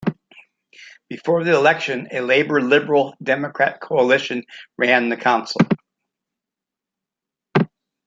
Before the election a Labour-Liberal Democrat coalition ran the council.